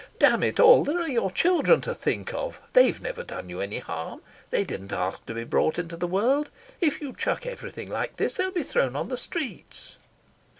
"Damn it all, there are your children to think of. They've never done you any harm. They didn't ask to be brought into the world. If you chuck everything like this, they'll be thrown on the streets.